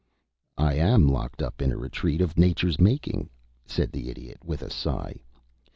"I am locked up in a retreat of Nature's making," said the Idiot, with a sigh.